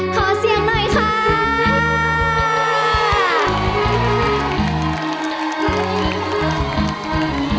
ขอเสียงหน่อยค่ะ